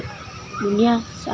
sejak saya masih kelas dengan sd